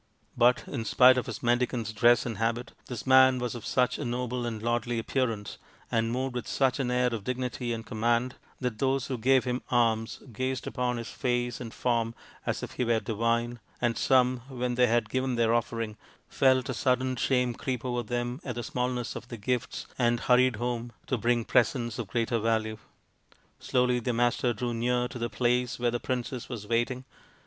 But in spite of his mendicant's dress and habit, this man was of such a noble and lordly appearance, and moved with such an air of dignity and command, that those who gave him alms gazed upon his face and form as if he were divine, and some, when they had given their offering, felt a sudden shame creep over them at the smallness of their gifts, and hurried home to bring presents of greater value. Slowly the Master drew near to the place where the princess was waiting.